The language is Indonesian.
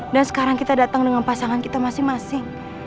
dan sekarang kita datang dengan pasangan kita masing masing